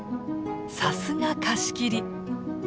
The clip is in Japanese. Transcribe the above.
さすが貸し切り。